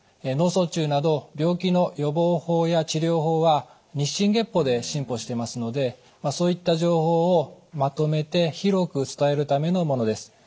脳卒中など病気の予防法や治療法は日進月歩で進歩していますのでそういった情報をまとめて広く伝えるためのものです。